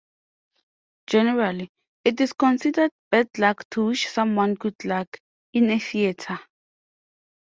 Generally, it is considered bad luck to wish someone "good luck" in a theatre.